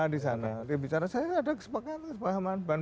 di sana bicara saya ada kesempatan